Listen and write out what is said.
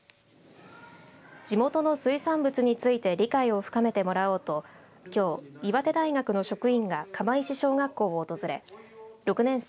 地元の水産物について理解を深めてもらおうときょう、岩手大学の職員が釜石小学校を訪れ６年生